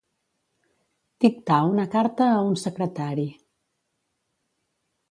Dictar una carta a un secretari.